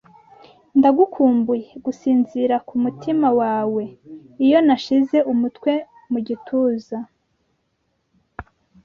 ndagukumbuye gusinzira kumutima wawe iyo nashize umutwe mugituza